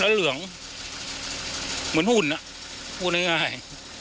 เหมือนหุ่นอะพูดง่าย